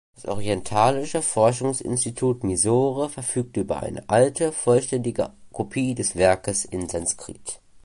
Das Orientalische Forschungsinstitut Mysore verfügt über eine alte, vollständige Kopie des Werkes in Sanskrit.